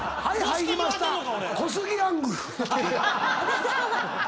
はい入りました！